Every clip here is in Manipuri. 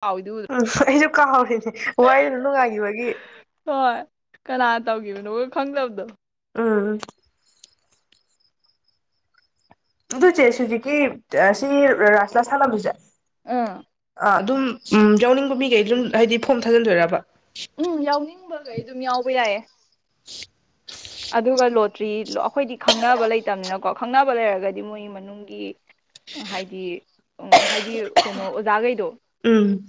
ꯍꯥꯎꯏꯗꯨ ꯎꯗ꯭ꯔꯣ ꯎꯝ ꯑꯩꯖꯨ ꯀꯥꯎꯔꯤꯅꯦ ꯋꯥꯔꯤꯗꯣ ꯗꯨꯝ ꯅꯨꯡꯉꯥꯏꯒꯤꯕꯒꯤ ꯍꯣꯏ ꯀꯅꯥ ꯇꯧꯒꯤꯕꯅꯣꯒ ꯈꯪꯗꯕꯗꯣ ꯎꯝ ꯑꯗꯨ ꯆꯦ ꯍꯧꯖꯤꯛꯀꯤ ꯁꯤ ꯔꯥꯁꯂꯥ ꯁꯥꯟꯅꯕꯤꯁꯦ ꯎꯝ ꯑꯗꯨꯝ ꯎꯝ ꯌꯥꯎꯅꯤꯡꯕ ꯃꯤꯒꯩ ꯑꯗꯨꯝ ꯍꯥꯏꯗꯤ ꯐꯣꯝ ꯊꯥꯖꯤꯟꯗꯣꯏꯔꯕ ꯎꯝ ꯌꯥꯎꯅꯤꯡꯕꯒꯩ ꯑꯗꯨꯝ ꯌꯥꯎꯕ ꯌꯥꯏꯌꯦ ꯑꯗꯨꯒ ꯂꯣꯇ꯭ꯔꯤ ꯑꯩꯈꯣꯏꯗꯤ ꯈꯪꯅꯕ ꯂꯩꯇꯕꯅꯤꯅꯀꯣ ꯈꯪꯅꯕ ꯂꯩꯔꯒꯗꯤ ꯃꯣꯏ ꯃꯅꯨꯡꯒꯤ ꯍꯥꯏꯗꯤ ꯍꯥꯏꯗꯤ ꯀꯩꯅꯣ ꯑꯣꯖꯥꯒꯩꯗꯣ ꯎꯝ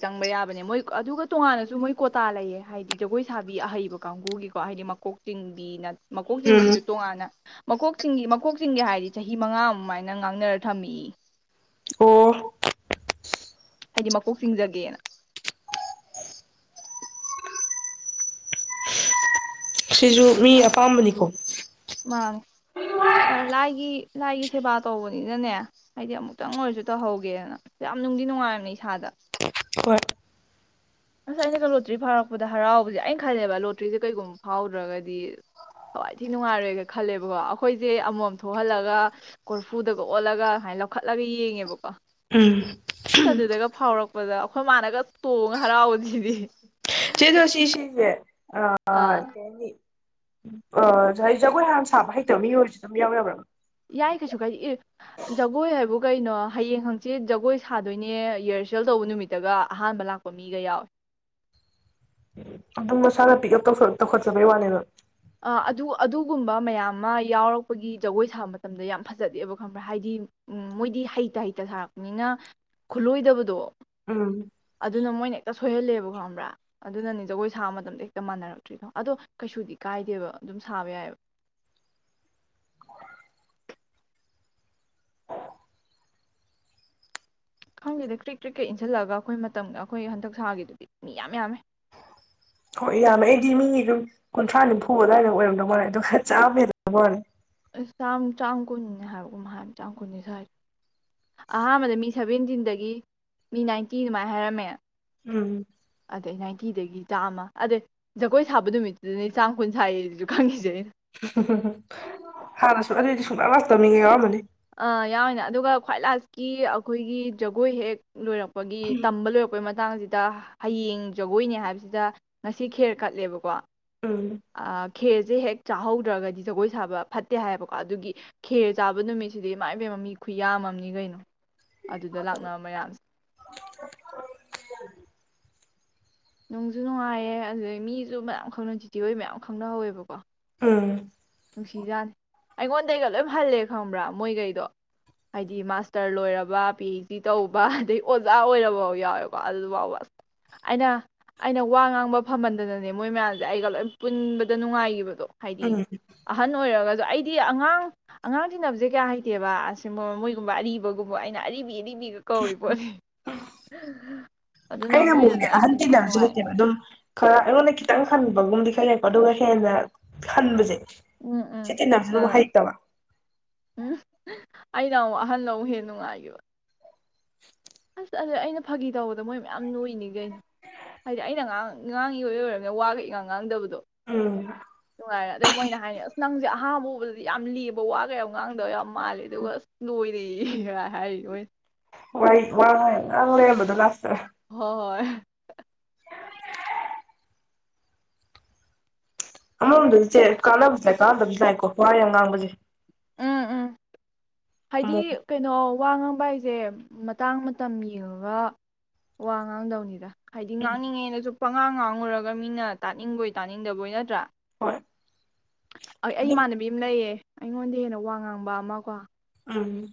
ꯆꯪꯕ ꯌꯥꯕꯅꯦ ꯃꯣꯏ ꯑꯗꯨꯒ ꯇꯣꯉꯥꯟꯅꯖꯨ ꯃꯣꯏ ꯀꯣꯇꯥ ꯂꯩꯌꯦ ꯍꯥꯏꯗꯤ ꯖꯒꯣꯏ ꯁꯥꯕꯤ ꯑꯍꯩꯕ ꯀꯥꯡꯒꯨꯒꯤ ꯀꯣ ꯍꯥꯏꯗꯤ ꯃꯀꯣꯛ ꯆꯤꯡꯕꯤ ꯅ ꯃꯀꯣꯛ ꯎꯝ ꯆꯤꯡꯕꯤꯖꯨ ꯇꯣꯉꯥꯟꯅ ꯃꯀꯣꯛꯆꯤꯡꯒꯤ ꯃꯀꯣꯛ ꯆꯤꯡꯒꯦ ꯍꯥꯏꯗꯤ ꯆꯍꯤ ꯃꯉꯥ ꯑꯗꯨꯃꯥꯏꯅ ꯉꯥꯡꯅꯔ ꯊꯝꯃꯦꯌꯦ ꯑꯣ ꯍꯥꯏꯗꯤ ꯃꯀꯣꯛ ꯆꯤꯡꯖꯒꯦꯅ ꯁꯤꯁꯨ ꯃꯤ ꯑꯄꯥꯝꯕꯅꯤꯀꯣ ꯃꯥꯅꯦ ꯂꯥꯏꯒꯤ ꯂꯥꯏꯒꯤ ꯁꯦꯕꯥ ꯇꯧꯕꯅꯤꯅꯅꯦ ꯍꯥꯏꯗꯤ ꯑꯃꯨꯛꯇꯪ ꯑꯣꯏꯔꯁꯨ ꯇꯧꯍꯧꯒꯦꯅ ꯌꯥꯝ ꯅꯨꯡꯗꯤ ꯅꯨꯡꯉꯥꯏꯝꯅꯦ ꯏꯁꯥꯗ ꯍꯣꯏ ꯑꯁ ꯑꯩꯅꯒ ꯂꯣꯇ꯭ꯔꯤ ꯐꯥꯎꯔꯛꯄꯗ ꯍꯔꯥꯎꯕꯁꯦ ꯑꯩꯅ ꯈꯜꯂꯦꯕ ꯂꯣꯇ꯭ꯔꯤꯁꯦ ꯀꯩꯒꯨꯝꯕ ꯐꯥꯎꯗ꯭ꯔꯒꯗꯤ ꯊꯋꯥꯏ ꯊꯤ ꯅꯨꯡꯉꯥꯏꯔꯣꯏꯒ ꯈꯜꯂꯦꯕꯀꯣ ꯑꯩꯈꯣꯏꯁꯦ ꯑꯃꯃꯝ ꯊꯣꯛꯍꯜꯂꯒ ꯀꯣꯔꯐꯨꯗꯒ ꯑꯣꯜꯂꯒ ꯁꯨꯃꯥꯏꯅ ꯂꯧꯈꯠꯂꯒ ꯌꯦꯡꯉꯦꯕꯀꯣ ꯎꯝ ꯑꯁ ꯑꯗꯨꯗꯒ ꯐꯥꯎꯔꯛꯄꯗ ꯑꯩꯈꯣꯏ ꯃꯥꯅꯒ ꯆꯣꯡꯉ ꯍꯔꯥꯎꯕꯁꯤꯗꯤ ꯆꯦ ꯔꯣꯁꯤ ꯁꯤꯖꯦ ꯑ ꯑꯥ ꯀꯩꯍꯥꯏꯅꯤ ꯑꯥ ꯉꯁꯥꯏ ꯖꯒꯣꯏ ꯍꯥꯟꯅ ꯁꯥꯕ ꯍꯩꯇꯕ ꯃꯤ ꯑꯣꯏꯔꯁꯨ ꯑꯗꯨꯝ ꯌꯥꯎ ꯌꯥꯕ꯭ꯔꯕ ꯌꯥꯏ ꯀꯩꯁꯨ ꯀꯥꯏꯗꯦ ꯑꯦ ꯖꯒꯣꯏ ꯍꯥꯏꯕꯨ ꯀꯩꯅꯣ ꯍꯌꯦꯡ ꯍꯪꯆꯤꯠ ꯖꯒꯣꯏ ꯁꯥꯗꯣꯏꯅꯦ ꯔꯤꯍꯔꯁꯦꯜ ꯇꯧꯕ ꯅꯨꯃꯤꯠꯇꯒ ꯑꯍꯥꯟꯕ ꯂꯥꯛꯄ ꯃꯤꯒ ꯌꯥꯎꯋꯦ ꯑꯗꯨꯝ ꯃꯁꯥꯅ ꯄꯤꯛꯑꯞ ꯇꯧ ꯇꯧꯈꯠꯆꯕꯩ ꯋꯥꯅꯤꯗ ꯑ ꯑꯗꯨ ꯑꯗꯨꯒꯨꯝꯕ ꯃꯌꯥꯝ ꯑꯃ ꯌꯥꯎꯔꯛꯄꯒꯤ ꯖꯒꯣꯏ ꯁꯥꯕ ꯃꯇꯝꯗ ꯌꯥꯝ ꯐꯖꯗꯦꯕ ꯈꯪꯕ꯭ꯔꯥ ꯍꯥꯏꯗꯤ ꯃꯣꯏꯗꯤ ꯍꯩꯇ ꯍꯩꯇ ꯁꯥꯔꯛꯄꯅꯤꯅ ꯈꯨꯠꯂꯣꯏꯗꯕꯗꯣ ꯎꯝ ꯑꯗꯨꯅ ꯃꯣꯏꯅ ꯍꯦꯛꯇ ꯁꯣꯏꯍꯜꯂꯦꯕ ꯍꯝꯕ꯭ꯔꯥ ꯑꯗꯨꯅꯅꯦ ꯖꯒꯣꯏ ꯁꯥꯕ ꯃꯇꯝꯗ ꯍꯦꯛꯇ ꯃꯥꯟꯅꯔꯛꯇ꯭ꯔꯤꯗꯣ ꯑꯗꯣ ꯀꯩꯁꯨꯗꯤ ꯀꯥꯏꯗꯦꯕ ꯑꯗꯨꯝ ꯁꯥꯕ ꯌꯥꯏꯑꯕ ꯈꯪꯗꯦꯗ ꯀ꯭ꯔꯤꯛ ꯀ꯭ꯔꯤꯛ ꯀꯛ ꯏꯟꯁꯤꯜꯂꯒ ꯑꯩꯈꯣꯏ ꯃꯇꯝꯒ ꯑꯩꯈꯣꯏ ꯍꯟꯗꯛ ꯁꯥꯒꯤꯗꯨꯗꯤ ꯃꯤ ꯌꯥꯝ ꯌꯥꯝꯃꯦ ꯍꯣꯏ ꯌꯥꯝꯃꯦ ꯑꯩꯗꯤ ꯃꯤꯒꯤ ꯑꯗꯨꯝ ꯀꯨꯟꯊ꯭ꯔꯥ ꯅꯤꯝꯐꯨ ꯑꯗꯨꯋꯥꯏꯗ ꯑꯣꯏꯔꯝꯗꯧ ꯃꯥꯜꯔꯦ ꯑꯗꯨꯒ ꯆꯥꯝꯃ ꯍꯦꯟꯕ ꯃꯥꯜꯂꯦ ꯑ ꯆ ꯆꯥꯝ ꯀꯨꯟꯅꯤ ꯍꯥꯏꯕꯒꯨꯝ ꯍꯥꯏꯕ ꯆꯥꯝ ꯀꯨꯟꯅꯤ ꯁꯥꯏꯗꯣ ꯑꯍꯥꯟꯕꯗꯤ ꯃꯤ ꯁꯦꯚꯦꯟꯇꯤꯟꯗꯒꯤ ꯃꯤ ꯅꯥꯏꯟꯇꯤ ꯑꯗꯨꯃꯥꯏꯅ ꯍꯥꯏꯔꯝꯃꯦ ꯎꯝ ꯑꯗꯩ ꯅꯥꯏꯟꯇꯤꯗꯒꯤ ꯆꯥꯝꯃ ꯑꯗꯩ ꯖꯒꯣꯏ ꯁꯥꯕ ꯅꯨꯃꯤꯠꯇꯨꯗꯅꯦ ꯆꯥꯝ ꯀꯨꯟ ꯁꯥꯏꯁꯨ ꯈꯪꯉꯏꯁꯦꯅ ꯑꯥꯍꯨꯝ ꯍꯨꯝ ꯍꯨꯝ ꯍꯥꯟꯅꯁꯨ ꯑꯗꯨꯗꯤ ꯁꯨꯡꯂꯥꯛ ꯂꯥꯛꯇꯕꯃꯤꯉ ꯌꯥꯎꯔꯃꯅꯤ ꯑꯥ ꯌꯥꯎꯅꯦ ꯑꯗꯨꯒ ꯈ꯭ꯋꯥꯏ ꯂꯥꯁꯀꯤ ꯑꯩꯈꯣꯏꯒꯤ ꯖꯒꯣꯏ ꯍꯦꯛ ꯂꯣꯏꯔꯛꯄ ꯄꯒꯤ ꯇꯝꯕ ꯂꯣꯏ ꯑꯩꯈꯣꯏ ꯃꯇꯥꯡꯁꯤꯗ ꯍꯌꯦꯡ ꯖꯒꯣꯏꯅꯦ ꯍꯥꯏꯕꯁꯤꯗ ꯉꯁꯤ ꯈꯦꯔ ꯀꯠꯂꯦꯕꯀꯣ ꯎꯝ ꯑ ꯈꯦꯔꯖꯤꯦ ꯍꯦꯛ ꯆꯥꯍꯧꯗ꯭ꯔꯒꯗꯤ ꯖꯒꯣꯏ ꯁꯥꯕ ꯐꯠꯇꯦ ꯍꯥꯏꯌꯦꯕꯀꯣ ꯑꯗꯨꯒꯤ ꯈꯦꯔ ꯆꯥꯕ ꯅꯨꯃꯤꯠꯁꯤꯗꯤ ꯃꯥꯏ ꯄꯦꯝꯃ ꯃꯤ ꯈꯨ ꯌꯥꯝꯃꯝꯅꯤ ꯀꯩꯅꯣ ꯑꯗꯨꯗ ꯂꯥꯛꯅꯕ ꯃꯌꯥꯝ [inaudible] ꯅꯨꯡꯁꯨ ꯅꯨꯡꯉꯥꯏꯌꯦ ꯑꯗꯨꯗꯩ ꯃꯤꯁꯨ ꯃꯌꯥꯝ ꯈꯪꯅ ꯆꯤꯆꯦ ꯍꯣꯏ ꯃꯌꯥꯝ ꯈꯪꯅꯍꯧꯋꯦꯕꯀꯣ ꯎꯝ ꯅꯨꯡꯁꯤꯖꯥꯠꯅꯤ ꯑꯩꯉꯣꯟꯗꯩꯒ ꯂꯣꯏ ꯍꯜꯂꯦ ꯈꯪꯕ꯭ꯔꯥ ꯃꯣꯏꯈꯩꯗꯣ ꯍꯥꯏꯗꯤ ꯃꯥꯁꯇꯔ ꯂꯣꯏꯔꯕ ꯄꯤ ꯑꯩꯆ ꯗꯤ ꯇꯧꯕ ꯑꯗꯩ ꯑꯣꯖꯥ ꯑꯣꯏꯔꯕꯐꯥꯎ ꯌꯥꯎꯋꯦꯀꯣ ꯑꯗꯨꯐꯥꯎꯕꯁ ꯑꯩꯅ ꯑꯩꯅ ꯋꯥ ꯉꯥꯡꯕ ꯐꯝꯃꯟꯗꯅꯅꯦ ꯃꯣꯏ ꯃꯌꯥꯝꯁꯦ ꯑꯩꯒ ꯂꯣꯏ ꯄꯨꯟꯕꯗ ꯅꯨꯡꯉꯥꯏꯈꯤꯕꯗꯣ ꯍꯥꯏꯗꯤ ꯎꯝ ꯑꯍꯟ ꯑꯣꯏꯔꯒꯁꯨ ꯑꯩꯗꯤ ꯑꯉꯥꯡ ꯑꯉꯥꯡ ꯇꯤꯟꯅꯅꯕꯁꯦ ꯀꯌꯥ ꯍꯩꯇꯦꯕ ꯑ ꯃꯣꯏꯒꯨꯝꯕ ꯑꯔꯤꯕꯒꯨꯝꯕ ꯑꯩꯅ ꯑꯔꯤꯕ ꯑ ꯀꯧꯔꯤ ꯄꯣꯠꯅꯤ [inaudible] ꯑꯩꯅ ꯑꯃꯨꯛꯅꯦ ꯃꯣꯏꯅꯁꯨ ꯑꯩ ꯑꯍꯟ ꯄꯨꯟꯕꯗ ꯇꯤꯟꯅꯕꯁꯦ ꯅꯨꯡꯉꯥꯏ ꯍꯩꯇꯦꯕ ꯑꯗꯨꯝ ꯈꯔ ꯑꯩꯉꯣꯟꯗ ꯈꯤꯇꯪ ꯍꯟꯕꯒꯨꯝꯗꯤ ꯈꯔ ꯂꯩꯔꯦꯀꯣ ꯑꯗꯨꯒ ꯍꯦꯟꯅ ꯍꯟꯕꯁꯦ ꯎꯝ ꯁꯤ ꯎꯝ ꯇꯤꯟꯅꯕꯁꯦ ꯑꯗꯨꯝ ꯑ ꯍꯩꯇꯕ ꯎꯝ ꯑꯩꯅ ꯑꯃꯨꯛ ꯑꯍꯟ ꯑꯃꯨꯛ ꯍꯦꯟꯅ ꯅꯨꯡꯉꯥꯏꯈꯤꯕ [inaudible] ꯑꯁ ꯑꯩꯅ ꯐꯥꯒꯤ ꯇꯧꯕꯗ ꯃꯣꯏ ꯃꯌꯥꯝ ꯅꯣꯏꯅꯤ ꯀꯩꯅꯣ ꯍꯥꯏꯗꯤ ꯑꯩꯅꯥ ꯉꯥꯡ ꯉꯥꯡ ꯏꯑꯣꯏ ꯑꯣꯔꯃꯤꯅ ꯋꯥꯒ ꯏꯉꯥꯡ ꯉꯥꯡꯗꯕꯗꯣ ꯎꯝ ꯅꯨꯡꯉꯥꯏꯔꯦ ꯑꯗꯨꯒ ꯃꯣꯏꯅ ꯍꯥꯏꯅꯦ ꯑꯁ ꯅꯪꯖꯦ ꯑꯍꯥꯥꯟꯕ ꯎꯕꯗꯗꯤ ꯌꯥꯝ ꯂꯦꯝꯕ ꯋꯥꯒ ꯌꯥꯝ ꯉꯥꯡꯗꯕ ꯌꯥꯝ ꯃꯥꯜꯂꯦ ꯑꯗꯨꯒ ꯑꯁ ꯂꯣꯏꯔꯦꯌꯦ ꯒ ꯍꯥꯏꯔꯤ ꯃꯣꯏ ꯋꯣꯏ ꯋꯥꯒ ꯏꯉꯥꯡ ꯂꯩꯔꯝꯕꯗꯣ ꯂꯥꯁꯇ ꯍꯣꯍꯣꯏ ꯑꯃꯔꯣꯝꯗꯗꯤ ꯆꯦ ꯀꯥꯟꯅꯕꯁꯨ ꯂꯛꯏ ꯀꯥꯟꯅꯗꯕꯁꯨ ꯂꯏꯀꯣ ꯋꯥ ꯌꯥꯝ ꯉꯥꯡꯕꯖꯤ ꯎ ꯍꯥꯏꯗꯤ ꯑꯃꯨꯛ ꯀꯩꯅꯣ ꯋꯥ ꯉꯥꯡꯕ ꯍꯥꯏꯖꯦ ꯃꯇꯥꯡ ꯃꯇꯝ ꯌꯦꯡꯉꯒ ꯋꯥ ꯉꯥꯡꯗꯧꯅꯤꯗ ꯍꯥꯏꯗꯤ ꯉꯥꯡꯅꯤꯡꯉꯦꯅꯖꯨ ꯄꯉꯥꯡ ꯉꯥꯡꯉꯨꯔꯒ ꯃꯤꯅ ꯇꯥꯅꯤꯡꯕꯣꯏ ꯇꯥꯅꯤꯡꯗꯕꯣꯏ ꯅꯠꯇ꯭ꯔꯥ ꯍꯣꯏ ꯑꯩ ꯑꯗꯨꯝ ꯏꯃꯥꯟꯅꯕꯤꯝꯃ ꯂꯩꯌꯦ ꯑꯩꯉꯣꯟꯗ ꯍꯦꯟꯅ ꯋꯥ ꯉꯥꯡꯕ ꯑꯃ ꯀꯣ ꯎꯝ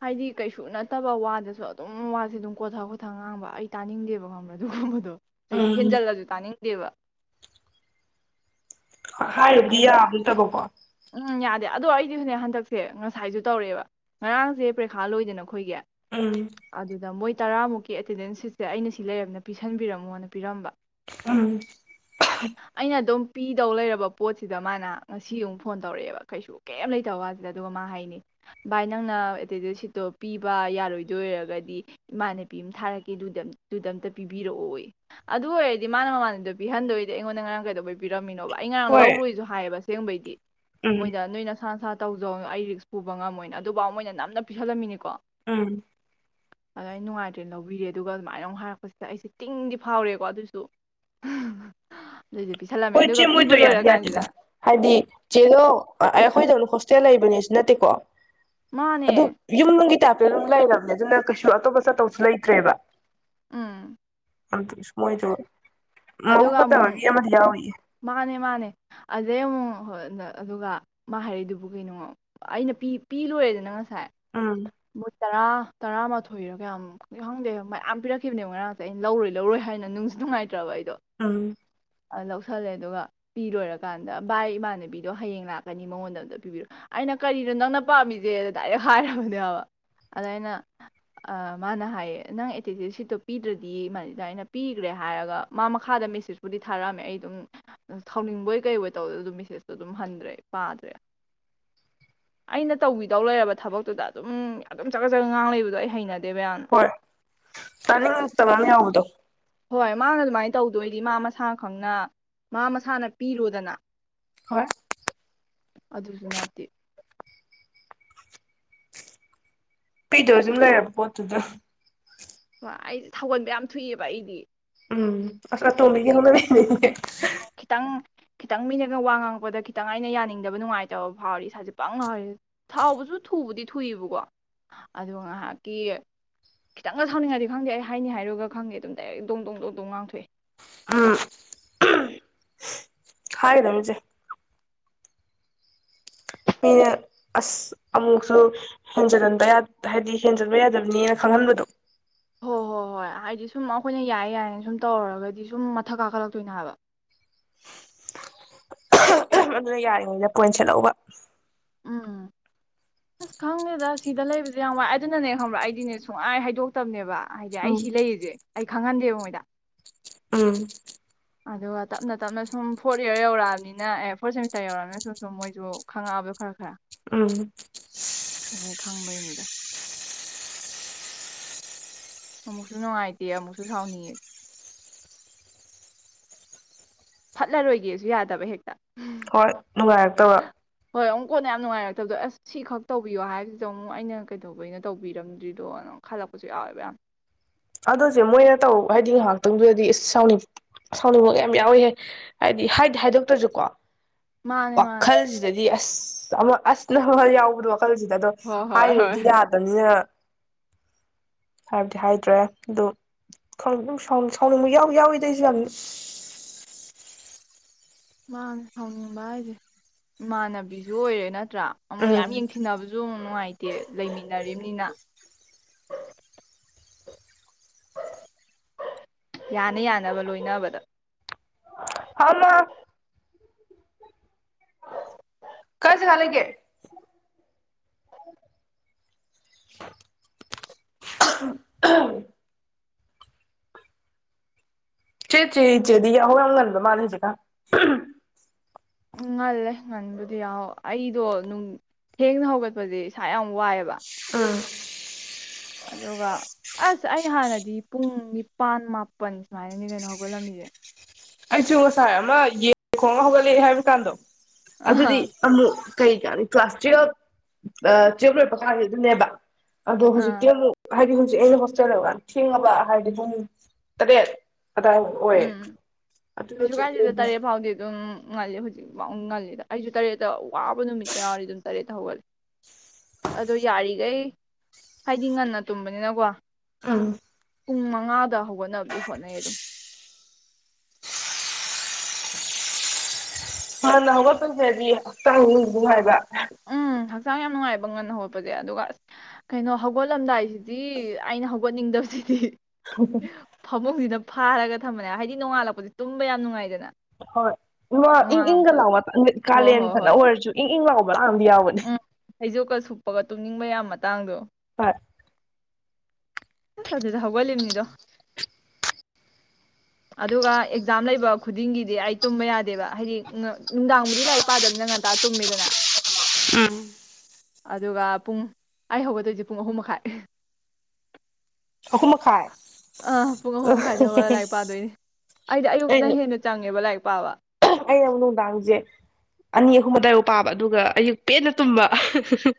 ꯍꯥꯏꯗꯤ ꯀꯩꯁꯨ ꯅꯠꯇꯕ ꯋꯥꯗꯁꯨ ꯑꯗꯨꯝ ꯋꯥꯁꯦ ꯑꯗꯨꯝ ꯀꯣꯊ ꯀꯣꯊ ꯉꯥꯡꯕ ꯑꯩ ꯇꯥꯅꯤꯡꯗꯦꯕ ꯈꯪꯕ꯭ꯔꯥ ꯑꯗꯨꯒꯨꯝꯕꯗꯣ ꯍꯥꯏꯗꯤ ꯎꯝ ꯍꯦꯟꯖꯜꯂꯁꯖꯨ ꯇꯥꯅꯤꯡ ꯗꯦꯕ ꯍꯥꯏꯔꯨꯕꯗꯤ ꯌꯥꯕ ꯅꯇꯕꯀꯣ ꯎꯝ ꯌꯥꯗꯦ ꯑꯗꯣ ꯑꯩꯗꯤ ꯍꯅꯦ ꯍꯟꯗꯛꯁꯦ ꯉꯁꯥꯏꯖꯨ ꯇꯧꯔꯛꯑꯦꯕ ꯉꯔꯥꯡꯁꯦ ꯄꯔꯤꯈꯥ ꯂꯣꯏꯗꯅ ꯑꯈꯣꯏꯒꯤ ꯎꯝ ꯑꯗꯨꯗ ꯃꯣꯏ ꯇꯔꯥꯃꯨꯛꯀꯤ ꯑꯦꯇꯦꯟꯗꯦꯟꯁ ꯁꯤꯁꯦ ꯑꯩꯅ ꯁꯤ ꯂꯩꯔꯕꯅꯤꯟ ꯄꯤꯁꯟꯕꯤꯔꯝꯃꯣꯅ ꯄꯤꯔꯝꯕ ꯎꯝ ꯑꯩꯅ ꯑꯗꯨꯝ ꯄꯤꯗꯧ ꯂꯩꯔꯕ ꯄꯣꯠꯁꯤꯗ ꯃꯥꯅ ꯉꯁꯤ ꯑꯃꯨꯛ ꯐꯣꯟ ꯇꯧꯔꯛꯑꯦꯕ ꯀꯩꯁꯨ ꯀꯩꯝ ꯂꯩꯇꯕ ꯋꯥꯖꯤꯗ ꯑꯗꯨꯒ ꯃꯥ ꯍꯥꯏꯅꯤ ꯚꯥꯏ ꯅꯪꯅ ꯑꯦꯇꯦꯟꯗꯦꯟ ꯁꯤꯠꯇꯣ ꯄꯤꯕ ꯌꯥꯔꯣꯏꯗꯣꯏꯑꯣꯏꯔꯒꯗꯤ ꯏꯃꯥꯟꯅꯕꯤ ꯑꯃ ꯊꯥꯔꯛꯀꯦꯗꯨꯗ ꯑꯝꯇ ꯄꯤꯕꯤꯔꯛꯑꯣꯌꯦ ꯑꯗꯨ ꯑꯣꯏꯔꯗꯤ ꯃꯥꯅ ꯃꯃꯥꯟꯅꯕꯗ ꯄꯤꯍꯟꯗꯣꯏꯗꯤ ꯑꯩꯉꯣꯟꯗ ꯉꯔꯥꯡ ꯀꯩꯗꯧꯕꯩ ꯄꯤꯔꯝꯃꯤꯅꯣꯕ ꯑꯩ ꯉꯔꯥꯡ ꯍꯣꯏ ꯂꯧꯔꯣꯏꯖꯨ ꯍꯥꯏꯌꯦꯕ ꯁꯦꯡꯕꯩꯗꯤ ꯎꯝ ꯃꯣꯏꯗ ꯅꯣꯏ ꯅꯁꯥ ꯅꯁꯥ ꯇꯧꯖꯧ ꯑꯩ ꯔꯤꯛꯁ ꯄꯨꯕ ꯉꯝꯃꯣꯏꯅ ꯑꯗꯨꯕꯥꯎ ꯃꯣꯏꯅ ꯅꯝꯗꯅ ꯄꯤꯁꯜꯂꯝꯃꯤꯅꯤꯀꯣ ꯎꯝ ꯑꯗ ꯑꯩ ꯅꯨꯡꯉꯥꯏꯇ꯭ꯔꯦ ꯂꯧꯕꯤꯔꯦ ꯑꯗꯨꯒ ꯑꯗꯨꯃꯥꯏꯅ ꯑꯃꯨꯛ ꯍꯥꯏꯔꯛꯄꯁꯤꯗ ꯑꯩꯖꯦ ꯇꯤꯡꯗꯤ ꯐꯥꯎꯔꯦꯀꯣ ꯑꯗꯨꯁꯨ ꯍꯣꯏ ꯆꯦ ꯃꯣꯏꯗꯣ ꯌꯥꯗꯤ ꯌꯥꯗꯦꯗ ꯍꯥꯏꯗꯤ ꯆꯦꯂꯣ ꯑꯈꯣꯏꯗꯧ ꯍꯣꯁꯇꯦꯜ ꯂꯩꯕꯅꯦꯁꯨ ꯅꯠꯇꯦꯀꯣ ꯃꯥꯅꯦ ꯑꯗꯨ ꯌꯨꯝꯅꯨꯡꯒꯤ ꯇꯥꯞ ꯑꯗꯨꯝ ꯂꯩꯔꯕꯅꯦ ꯑꯗꯨꯅ ꯀꯩꯁꯨ ꯑꯇꯣꯞꯄ ꯆꯠꯇꯧꯁꯨ ꯂꯩꯇ꯭ꯔꯦꯕ ꯎꯝ ꯑꯝꯇꯁ ꯃꯣꯏꯗꯣ ꯃꯕꯨꯛ ꯑꯗꯨꯒ ꯑꯃꯨꯛ ꯐꯠꯇꯕꯒꯤ ꯑꯝꯗꯤ ꯌꯥꯎꯔꯤꯌꯦ ꯃꯥꯅꯦ ꯃꯥꯅꯦ ꯑꯗꯩ ꯑꯃꯨꯛ ꯑꯥ ꯑꯥ ꯑꯗꯨꯒ ꯃꯥ ꯍꯥꯏꯔꯛꯏꯗꯨꯕꯨ ꯀꯩꯅꯣ ꯑꯩꯅ ꯄꯤ ꯂꯣꯏꯔꯦꯗꯅ ꯉꯁꯥꯏ ꯑꯝ ꯃꯣꯏ ꯇꯔꯥ ꯇꯔꯥꯃꯥꯊꯣꯏꯔ ꯀꯌꯥꯝ ꯈꯪꯗꯦ ꯃꯌꯥꯝ ꯄꯤꯔꯛꯈꯤꯕꯅꯦ ꯉꯔꯥꯡꯁꯦ ꯑꯩꯅ ꯂꯧꯔꯣꯏ ꯂꯧꯔꯣꯏ ꯍꯥꯏꯅ ꯅꯨꯡꯁꯨ ꯅꯨꯡꯉꯥꯏ ꯇ꯭ꯔꯥꯕ ꯑꯩꯗꯣ ꯎꯝ ꯂꯧ ꯈꯜꯂꯦ ꯑꯗꯨꯒ ꯄꯤꯂꯣꯏꯔꯀꯥꯟꯗ ꯚꯥꯏ ꯏꯃꯥꯟꯅꯕꯤꯗꯣ ꯍꯌꯦꯡ ꯂꯥꯛꯀꯅꯤ ꯃꯉꯣꯟꯗ ꯑꯝꯇ ꯄꯤꯕꯤꯔꯣ ꯑꯩꯅ ꯀꯔꯤꯅꯣ ꯅꯪꯅ ꯄꯥꯝꯃꯤꯖꯦꯗꯅ ꯗꯥꯏꯔꯦꯛ ꯍꯥꯏꯔꯕꯅꯦꯕ ꯑꯗ ꯑꯩꯅ ꯃꯥꯅ ꯍꯥꯏꯌꯦ ꯅꯪ ꯑꯦꯇꯦꯟꯗꯦꯟ ꯁꯤꯠꯇꯣ ꯄꯤꯗ꯭ꯔꯗꯤ ꯃꯥꯗ ꯑꯩꯅ ꯄꯤꯒ꯭ꯔꯦ ꯍꯥꯏꯔꯒ ꯃꯥ ꯃꯈꯥꯗ ꯃꯦꯁꯦꯖꯄꯨꯗꯤ ꯊꯥꯔꯛꯑꯝꯃꯦ ꯑꯩ ꯑꯗꯨꯝ ꯊꯧꯅꯤꯡꯕꯣꯏ ꯀꯩꯕꯣꯏ ꯇꯧ ꯑꯗꯨꯝ ꯃꯦꯁꯦꯖꯇꯣ ꯑꯗꯨꯝ ꯍꯟꯗ꯭ꯔꯦ ꯄꯥꯗ꯭ꯔꯦ ꯑꯩꯅ ꯇꯧꯕꯤꯗꯧ ꯂꯩꯔꯕ ꯊꯕꯛꯇꯨꯗ ꯑꯗꯨꯝ ꯑꯗꯨꯝ ꯆꯠꯒꯠ ꯆꯠꯒꯠ ꯉꯥꯡ ꯂꯩꯕꯗꯣ ꯑꯩ ꯍꯩꯅ ꯍꯣꯏ ꯇꯥꯅꯤꯡ ꯉꯛꯇꯕ ꯑꯃ ꯌꯥꯎꯕꯗꯣ ꯍꯣꯏ ꯃꯥꯅ ꯑꯗꯨꯃꯥꯏꯅ ꯇꯧꯗꯣꯏꯗꯤ ꯃꯥ ꯃꯁꯥ ꯈꯪꯅ ꯃꯥ ꯃꯁꯥꯅ ꯄꯤꯔꯣꯗꯅ ꯍꯣꯏ ꯑꯗꯨꯁꯨ ꯅꯠꯇꯦ ꯄꯤꯗꯧ ꯑꯗꯨꯝ ꯂꯩꯔꯕ ꯄꯣꯠꯇꯨꯗ ꯍ ꯑꯩꯗꯤ ꯁꯥꯎꯒꯟꯕ ꯌꯥꯝ ꯊꯨꯏꯑꯦꯕ ꯑꯩꯗꯤ ꯎꯝ ꯑꯁ ꯑ ꯇꯣꯝꯕꯤꯒꯤ ꯍꯥꯏꯗꯤ ꯍꯧꯅ ꯕꯤꯅꯦ ꯈꯤꯇꯪ ꯈꯤꯇꯪ ꯃꯤꯅꯒ ꯋꯥ ꯉꯥꯡꯉꯛꯄꯗ ꯈꯤꯇꯪ ꯑꯩꯅ ꯌꯥꯅꯤꯡꯗꯕ ꯅꯨꯡꯉꯥꯏꯇꯕ ꯐꯥꯎꯔꯗꯤ ꯏꯁꯥꯖꯦ ꯕꯪ ꯂꯥꯎꯔ ꯁꯥꯎꯕꯖꯨ ꯊꯨꯕꯨꯗꯤ ꯊꯨꯏꯌꯦꯕꯀꯣ ꯑꯗꯨꯒ ꯉꯥꯏꯍꯥꯛꯀꯤ ꯈꯤꯇꯪ ꯁꯥꯎꯅꯤꯡꯉꯗꯤ ꯈꯪꯗꯦ ꯑꯩ ꯍꯥꯏꯅꯤ ꯍꯥꯏꯔꯣꯏꯒ ꯈꯪꯗꯦ ꯑꯗꯨꯝ ꯗꯥꯏꯔꯦꯛ ꯗꯣꯡ ꯗꯣꯡ ꯗꯣꯡꯗꯣꯡ ꯉꯥꯡꯊꯣꯛꯑꯦ ꯎꯝ ꯍꯥꯏꯒꯗꯝꯅꯤ ꯆꯦ ꯃꯤꯅ ꯑꯁ ꯑꯃꯨꯛꯁꯨ ꯍꯦꯟꯖꯟꯍꯟꯕ ꯍꯥꯏꯗꯤ ꯍꯦꯟꯖꯟꯕ ꯌꯥꯗꯕꯅꯤꯅ ꯈꯪꯍꯟꯕꯗꯣ ꯍꯣꯏ ꯍꯣꯏ ꯍꯣꯏ ꯍꯥꯏꯗꯤ ꯁꯨꯝ ꯑꯩꯈꯣꯏꯅ ꯌꯥꯏꯌꯦ ꯌꯥꯏꯌꯦ ꯁꯨꯝ ꯇꯧꯔꯨꯔꯒꯗꯤ ꯁꯨꯝ ꯃꯊꯛ ꯀꯥꯈꯠꯂꯛꯇꯣꯏꯅꯦ ꯍꯥꯏꯕ ꯑꯗꯨꯅ ꯌꯥꯔꯤꯉꯩꯗ ꯄꯣꯏꯟꯁꯦꯠꯍꯧꯕ ꯎꯝ ꯑꯁ ꯈꯪꯗꯦꯗ ꯁꯤꯗ ꯂꯩꯕꯁꯦ ꯌꯥꯝ ꯋꯥꯏ ꯑꯗꯨꯅꯅꯦ ꯈꯪꯕ꯭ꯔꯥ ꯑꯩꯗꯤꯅꯦ ꯁꯨꯡꯍꯥꯏ ꯍꯥꯏꯗꯣꯛꯇꯕꯅꯦꯕ ꯍꯥꯏꯗꯤ ꯑꯩ ꯎꯝ ꯁꯤ ꯂꯩꯌꯦꯖꯦ ꯑꯩ ꯈꯪꯍꯟꯗꯦꯕ ꯃꯣꯏꯗ ꯎꯝ ꯑꯗꯨꯒ ꯇꯞꯅ ꯇꯞꯅ ꯁꯨꯝ ꯐꯣꯔꯠ ꯏꯌꯥꯔ ꯌꯧꯔꯛꯑꯕꯅꯤꯅ ꯑꯦ ꯐꯣꯔꯠ ꯁꯦꯃꯤꯁꯇꯔ ꯌꯧꯔꯛꯑꯃꯤꯅ ꯁꯨꯝ ꯁꯨꯝ ꯃꯣꯏꯖꯨ ꯈꯪꯉꯛꯑꯕꯗꯣ ꯈꯔ ꯈꯔ ꯎꯝ ꯑꯗꯨꯗꯩ ꯈꯪꯕꯩꯅꯤꯗ ꯑꯃꯨꯛꯁꯨ ꯅꯨꯡꯉꯥꯏꯇꯦ ꯑꯃꯨꯛꯁꯨ ꯁꯥꯎꯅꯤꯡꯢ ꯐꯠꯂꯔꯣꯏꯒꯦꯖꯨ ꯌꯥꯗꯕ ꯍꯦꯛꯇ ꯍꯣꯏ ꯅꯨꯡꯉꯥꯏꯔꯛꯇꯕ ꯍꯣꯏ ꯑꯃꯨꯛ ꯀꯣꯟꯅ ꯌꯥꯝ ꯅꯨꯡꯉꯥꯏꯔꯛꯇꯕꯗꯣ ꯑꯁ ꯁꯤꯈꯛ ꯇꯧꯕꯤꯌꯣ ꯍꯥꯏꯕꯁꯤꯗ ꯑꯃꯨꯛ ꯑꯩꯅ ꯀꯩꯗꯧꯕꯩꯅ ꯇꯧꯕꯤꯔꯝꯗ꯭ꯔꯤꯗꯣ ꯑꯝ ꯈꯜꯂꯛꯄꯖꯨ ꯌꯥꯎꯋꯦꯕ ꯌꯥꯝ ꯑꯗꯨꯆꯦ ꯃꯣꯏꯅ ꯇꯧ ꯍꯥꯏꯗꯤ ꯉꯥꯏꯍꯥꯛꯇꯪꯗꯨꯗꯗꯤ ꯏꯁ ꯁꯥꯎꯅꯤꯡ ꯁꯥꯎꯅꯤꯡꯕꯒ ꯌꯥꯝ ꯌꯥꯎꯏꯍꯦ ꯍꯥꯏꯗꯤ ꯍꯥꯏꯗꯤ ꯍꯥꯏꯗꯣꯛꯇ꯭ꯔꯁꯨꯀꯣ ꯃꯥꯅꯦ ꯃꯥꯅꯦ ꯋꯥꯈꯜꯖꯤꯗꯗꯤ ꯗꯤ ꯑꯁ ꯑꯃ ꯑꯁ [unintelligible] ꯌꯥꯎꯕꯗꯣ ꯋꯥꯈꯜꯖꯤꯗ ꯑꯗꯣ ꯍꯣꯏ ꯍꯣꯏ ꯍꯣꯏ ꯍꯥꯏꯔꯨꯕꯗꯤ ꯌꯥꯗꯝꯅꯤꯅ ꯍꯥꯏꯕꯗꯤ ꯍꯥꯏꯗ꯭ꯔꯦ ꯑꯗꯣ ꯈꯪ ꯁꯥꯎ ꯁꯥꯎꯅꯤꯡꯕ ꯌꯥꯎ ꯌꯥꯎꯋꯤꯗ ꯑꯩꯖꯨ ꯌꯥꯝ ꯃꯥꯅꯦ ꯁꯥꯎꯅꯤꯡꯕ ꯍꯥꯏꯖꯦ ꯏꯃꯥꯟꯅꯕꯤꯖꯨ ꯑꯣꯏꯔꯦ ꯅꯠ ꯅꯠꯇ꯭ꯔꯥ ꯑꯃꯨꯛ ꯌꯥꯝ ꯎꯝ ꯌꯦꯡꯊꯤꯟꯅꯕꯖꯨ ꯃꯨꯛ ꯅꯨꯡꯉꯥꯏꯇꯦ ꯇꯦ ꯂꯩꯃꯤꯟꯅꯔꯤꯝꯅꯤꯅ ꯌꯥꯅ ꯌꯥꯅꯕ ꯂꯣꯏꯅꯕꯗ ꯍꯥꯎ ꯃꯥ ꯀꯥꯏ ꯖꯒ ꯂꯩꯒꯦ ꯆꯦ ꯆꯦ ꯆꯦꯗꯤ ꯌꯥꯍꯧ ꯌꯥꯝ ꯉꯟꯕ ꯃꯥꯜꯂꯦ ꯍꯧꯖꯤꯛꯀꯥꯟ ꯉꯜꯂꯦ ꯉꯟꯕꯨꯗꯤ ꯌꯥꯍꯧ ꯑꯩꯗꯣ ꯅꯨꯡ ꯊꯦꯡꯅ ꯍꯧꯒꯠꯄꯗꯤ ꯏꯁꯥ ꯌꯥꯝ ꯋꯥꯏꯑꯦꯕ ꯑꯥ ꯑꯗꯨꯒ ꯑꯁ ꯑꯩ ꯍꯥꯟꯅꯗꯤ ꯄꯨꯡ ꯅꯤꯄꯥꯥꯟ ꯃꯥꯄꯜ ꯁꯨꯃꯥꯏꯅꯅꯤ ꯀꯩꯅꯣ ꯍꯧꯒꯠꯂꯝꯃꯤꯖꯦ ꯑꯩꯁꯨ ꯉꯁꯥꯏ ꯑꯃ ꯌꯦꯟ ꯈꯣꯡꯉ ꯍꯧꯒꯠꯂꯛꯑꯦ ꯍꯥꯏꯕꯀꯥꯟꯗꯣ ꯑꯗꯨꯗꯤ ꯑꯥ ꯑꯃꯨꯛ ꯀꯩ ꯀꯅꯤ ꯀ꯭ꯂꯥꯁ ꯇꯨꯋꯜꯞ ꯇꯨꯋꯦꯜꯕ ꯂꯣꯏꯔꯛꯄ ꯀꯥꯟ ꯑꯗꯨꯅꯦꯕ ꯑꯗꯣ ꯍꯨꯖꯤꯛꯇꯤ ꯑꯥ ꯑꯃꯨꯛ ꯍꯥꯏꯗꯤ ꯍꯨ ꯑꯩꯅ ꯍꯣꯁꯇꯦꯜꯗ ꯊꯦꯡꯉꯕ ꯍꯥꯏꯕꯗꯤ ꯄꯨꯡ ꯇꯔꯦꯠ ꯑꯗꯥ ꯑꯣꯏꯌꯦ ꯎꯝ ꯑꯗꯨ ꯀꯩꯁꯨ ꯅꯠꯇ꯭ꯔꯗꯤ ꯀꯥꯏꯗꯦꯗ ꯑꯃꯨꯛ ꯇꯔꯦꯠ ꯐꯥꯎꯗꯤ ꯑꯗꯨꯝ ꯉꯜꯂꯤ ꯍꯧꯖꯤꯛꯐꯥꯎ ꯉꯜꯂꯤꯗ ꯑꯩꯖꯨ ꯇꯔꯦꯠꯇ ꯋꯥꯕ ꯅꯨꯃꯤꯠ ꯀ ꯌꯥꯎꯔꯗꯤ ꯑꯗꯨꯝ ꯇꯔꯦꯠꯇ ꯍꯧꯒꯠꯂꯦ ꯑꯗꯣ ꯌꯥꯔꯤꯒꯩ ꯍꯥꯏꯗꯤ ꯉꯟꯅ ꯇꯨꯝꯕꯅꯤꯅꯀꯣ ꯎꯝ ꯄꯨꯡ ꯃꯉꯥꯗꯍꯧ ꯍꯣꯠꯅꯕꯗꯤ ꯍꯣꯅꯩ ꯑꯗꯨꯝ ꯍ ꯅ ꯍꯧꯒꯄꯗꯩꯗꯤ ꯍꯛꯆꯥꯡ ꯂꯨꯝꯗꯔꯤ ꯍꯥꯏꯕ [unintelligible] ꯎꯝ ꯍꯛꯆꯥꯡ ꯌꯥꯝ ꯅꯨꯡꯉꯥꯏꯕ ꯉꯟꯅ ꯍꯧꯒꯠꯄꯖꯦ ꯑꯗꯨꯒ ꯀꯩꯅꯣ ꯍꯧꯒꯠꯂꯝꯗꯥꯏꯖꯤꯗꯤ ꯑꯩꯅ ꯍꯧꯒꯠꯅꯤꯡꯗꯕꯁꯤꯗꯤ ꯐꯃꯨꯡꯖꯤꯗ ꯐꯥꯔꯒ ꯊꯝꯕꯅꯦ ꯍꯥꯏꯗꯤ ꯅꯣꯡꯉꯥꯜꯂꯛꯄꯗꯤ ꯇꯨꯝꯕ ꯌꯥꯝ ꯅꯨꯡꯉꯥꯏꯗꯅ ꯍꯣꯏ ꯏꯪ ꯏꯪꯒ ꯅꯣꯡꯉꯥꯜꯂꯛꯄꯗ ꯂꯥꯎ ꯃꯇꯝ ꯍꯣꯏ ꯀꯥꯂꯦꯟ ꯍꯣꯏ ꯐꯅ ꯍꯣꯏ ꯑꯣꯏꯔꯁꯨ ꯏꯪ ꯏꯪ ꯂꯥꯎ ꯥ ꯃꯥ ꯑꯝꯗꯤ ꯌꯥꯎꯕꯅꯤ [unintelligible] ꯎꯝ ꯐꯩꯖꯣꯞꯀ ꯁꯨꯞꯄꯒ ꯇꯨꯝꯅꯤꯡꯕ ꯌꯥꯝ ꯃꯇꯥꯡꯗꯣ ꯍ [unintelligible] ꯑꯁ ꯑꯗꯨꯗ ꯍꯧꯒꯠꯂꯤꯕꯅꯤꯗꯣ ꯑꯗꯨꯒ ꯑꯦꯛꯖꯥꯝ ꯂꯩꯕ ꯈꯨꯗꯤꯡꯒꯤꯗꯤ ꯑꯩ ꯇꯨꯝꯕ ꯌꯥꯗꯦꯕ ꯍꯥꯏꯗꯤ ꯅꯨꯡꯗꯥꯡꯕꯨꯗꯤ ꯂꯥꯏꯔꯤꯛ ꯄꯥꯗꯕꯅꯤꯅ ꯉꯟꯇꯥ ꯇꯨꯝꯃꯤꯗꯅ ꯎꯝ ꯑꯗꯨꯒ ꯄꯨꯡ ꯑꯩ ꯍꯧꯒꯠꯗꯣꯏꯖꯦ ꯄꯨꯡ ꯑꯍꯨꯝ ꯃꯈꯥꯏ ꯑꯍꯨꯝ ꯃꯈꯥꯏ ꯑꯥ ꯄꯨꯡ ꯑꯍꯨꯝ ꯃꯈꯥꯏꯗꯒꯤ ꯍꯧꯔꯒ ꯂꯥꯏꯔꯤꯛ ꯄꯥꯗꯣꯏꯅꯦ ꯑꯩꯗꯤ ꯑꯌꯨꯛꯅ ꯑꯩꯅ ꯍꯦꯟꯅ ꯆꯪꯉꯦꯕ ꯂꯥꯏꯔꯤꯛ ꯄꯥꯕ ꯑꯩꯅ ꯑꯃꯨꯛ ꯅꯨꯡꯗꯥꯡꯁꯦ ꯑꯅꯤ ꯑꯍꯨꯝ ꯑꯗꯥꯏꯕꯨ ꯄꯥꯕ ꯑꯗꯨꯒ ꯑꯌꯨꯛ ꯄꯦꯟꯅ ꯇꯨꯝꯕ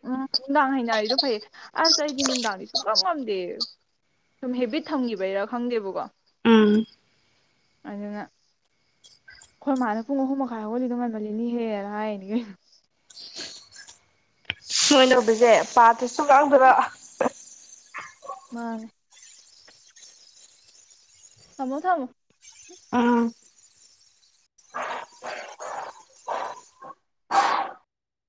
ꯎꯝ ꯅꯨꯡꯗꯥꯡ ꯍꯥꯏꯅꯔꯤꯗꯣ ꯐꯩꯌꯦ ꯑꯁ ꯑꯩꯗꯤ ꯅꯨꯡꯗꯥꯡꯗꯤ ꯁꯨꯡꯀꯞ ꯐꯝꯗꯦ ꯁꯨꯝ ꯍꯦꯕꯤꯠ ꯊꯝꯈꯤꯕꯩꯔꯥ ꯈꯪꯗꯦꯕꯀꯣ ꯎꯝ ꯑꯗꯨꯅ ꯈꯣꯏ ꯃꯥꯅ ꯄꯨꯡ ꯑꯍꯨꯝ ꯃꯈꯥꯏ ꯍꯧꯒꯠꯂꯤꯗꯣ ꯉꯟꯃꯜꯂꯤꯅꯦꯍꯦ ꯍꯥꯏꯅꯤ ꯀꯩꯅꯣ ꯁꯣꯏꯅ ꯎꯗꯁꯦ ꯄꯥꯠꯇꯁꯨ ꯉꯥꯡꯗꯔ [unintelligible] ꯃꯥꯅꯦ ꯊꯃꯣ ꯊꯃꯣ ꯑꯥ